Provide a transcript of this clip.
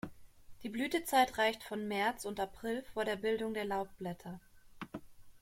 Die Blütezeit reicht von März und April vor der Bildung der Laubblätter.